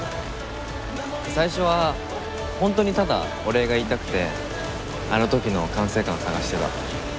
最初は本当にただお礼が言いたくてあの時の管制官を探してた。